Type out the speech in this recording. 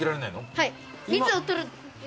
はい。